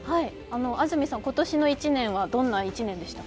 安住さん、今年の１年はどんな１年でしたか。